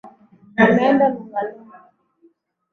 Ameenda Lunga Lunga.